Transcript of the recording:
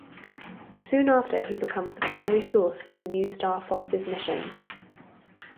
Soon after, he becomes the primary source for the new Star Fox's missions.